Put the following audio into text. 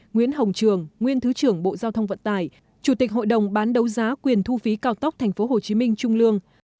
nguyễn hồng trường nguyên thứ trưởng bộ giao thông vận tải chủ tịch hội đồng bán đấu giá quyền thu phí cao tốc tp hcm trung lương